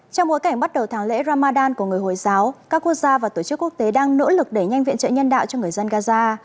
trong bối cảnh bắt đầu tháng lễ ramadan của người hồi giáo các quốc gia và tổ chức quốc tế đang nỗ lực đẩy nhanh viện trợ nhân đạo cho người dân gaza